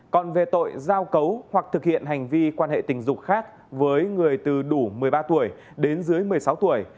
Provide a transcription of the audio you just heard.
còn về tội giao cấu hoặc thực hiện hành vi quan hệ tình dục khác với người từ đủ một mươi ba tuổi đến dưới một mươi sáu tuổi